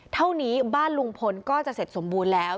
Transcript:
เท่านี้บ้านลุงพลก็จะเสร็จสมบูรณ์แล้ว